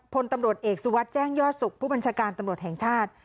พลตำรวจเอกสุวัสดิ์แจ้งยอดสุขผู้บัญชาการตำรวจแห่งชาติ